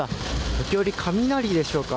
時折、雷でしょうか。